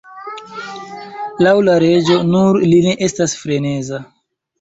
Laŭ la reĝo, nur li ne estas freneza.